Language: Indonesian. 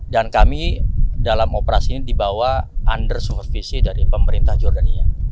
dan kami dalam operasi ini dibawa under supervision dari pemerintah jordan